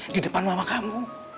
di depan mama kamu